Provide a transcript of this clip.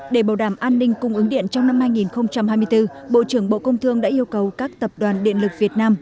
để bảo đảm an ninh cung ứng điện trong năm hai nghìn hai mươi bốn bộ trưởng bộ công thương đã yêu cầu các tập đoàn điện lực việt nam